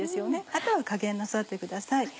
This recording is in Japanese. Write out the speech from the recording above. あとは加減なさってください。